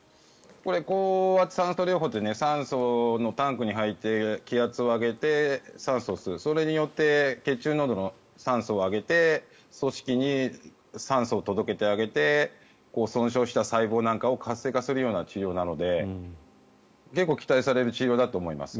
高圧酸素療法という酸素のタンクに入って気圧を上げて、酸素を吸うそれによって血中の酸素濃度を上げて組織に酸素を届けてあげて損傷した細胞なんかを活性化するような治療なので結構、期待される治療だと思います。